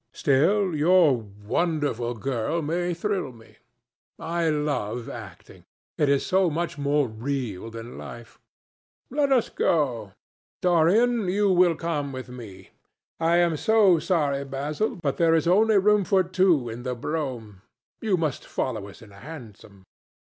Still, your wonderful girl may thrill me. I love acting. It is so much more real than life. Let us go. Dorian, you will come with me. I am so sorry, Basil, but there is only room for two in the brougham. You must follow us in a hansom."